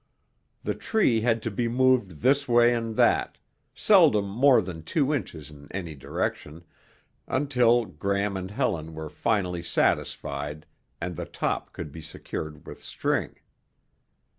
The tree had to be moved this way and that, seldom more than two inches in any direction, until Gram and Helen were finally satisfied and the top could be secured with string.